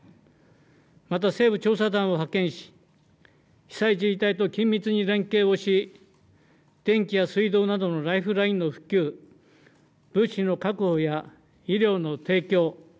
また政府調査団を派遣し被災自治体と緊密に連携をし電気や水道などのライフラインの復旧、物資の確保や医療の提供